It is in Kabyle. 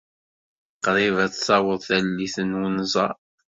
Qrib ad d-taweḍ tallit n wenẓar.